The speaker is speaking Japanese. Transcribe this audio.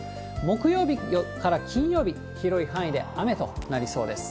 木曜日から金曜日、広い範囲で雨となりそうです。